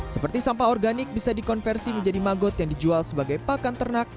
seperti sampah organik bisa dikonversi menjadi magot yang dijual sebagai pakan ternak